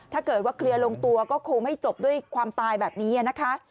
ถ้าเกิดว่าเคลียร์ลงตัวก็คงไม่จบด้วยความตายแบบนี้นะคะ